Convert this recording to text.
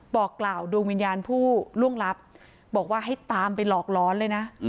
บอกกล่าวดวงวิญญาณผู้ล่วงลับบอกว่าให้ตามไปหลอกร้อนเลยนะ